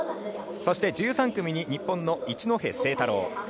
そして１３組に日本の一戸誠太郎。